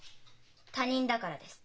他人だからです。